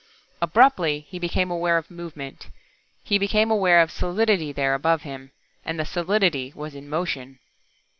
Abruptly he became aware of movement. He became aware of solidity there above him. And the solidity was in motion.